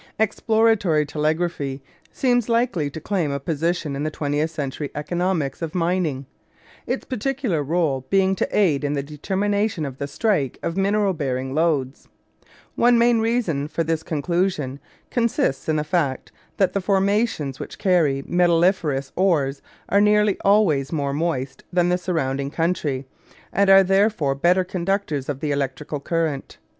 Exploratory telegraphy seems likely to claim a position in the twentieth century economics of mining, its particular rôle being to aid in the determination of the "strike" of mineral bearing lodes. One main reason for this conclusion consists in the fact that the formations which carry metalliferous ores are nearly always more moist than the surrounding country, and are therefore better conductors of the electrical current.